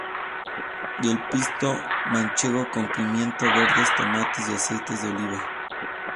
Y el pisto manchego con pimientos verdes, tomates y aceite de oliva.